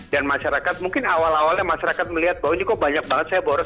dan masyarakat mungkin awal awalnya masyarakat melihat bahwa ini kok banyak banget saya boros